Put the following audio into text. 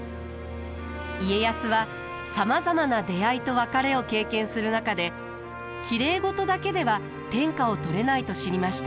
家康はさまざまな出会いと別れを経験する中できれい事だけでは天下を取れないと知りました。